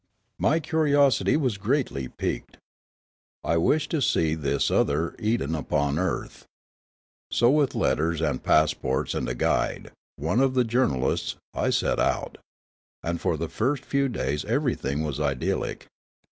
. My curiosity was greatly piqued. I wished to see this other Eden upon earth. So with letters and pass ports and a guide, one of the journalists, I set out. And for the first few days everything was idyllic.